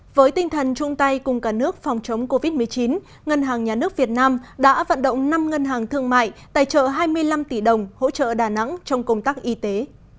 với tinh thần chung tay cùng cả nước phòng chống covid một mươi chín ngân hàng nhà nước việt nam đã vận động năm ngân hàng thương mại tài trợ hai mươi năm tỷ đồng hỗ trợ đà nẵng trong công tác y tế